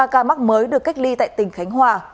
ba ca mắc mới được cách ly tại tỉnh khánh hòa